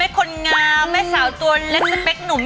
แอร์โหลดแล้วคุณล่ะโหลดแล้ว